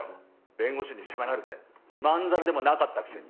弁護士に迫られてまんざらでもなかったくせに。